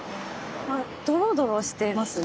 ドロドロしてますね。